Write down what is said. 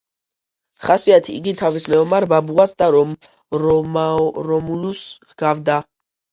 ხასიათით იგი თავის მეომარ ბაბუას და რომულუსს ჰგავდა.